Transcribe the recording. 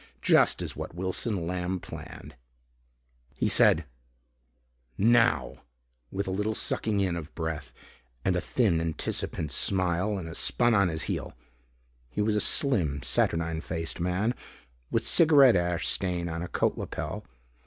Just as what Wilson Lamb planned. He said "Now" with a little sucking in of breath and a thin anticipant smile and spun on his heel. He was a slim saturnine faced man with cigaret ash stain on a coat lapel.